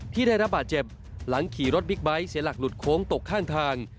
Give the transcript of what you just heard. ที่ได้รับบาดเจ็บหลังขี่รถบิ๊กไบท์เสียหลักหลุดโค้งตกข้างทาง